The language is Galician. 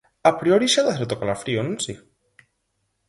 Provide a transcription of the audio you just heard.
A priori xa dá certo calafrío, non si?